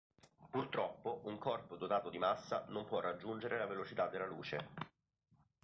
Purtroppo un corpo dotato di massa non può raggiungere la velocità della luce.